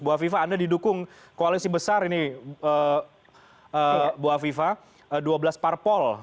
bu afifah anda didukung koalisi besar ini bu afifah dua belas parpol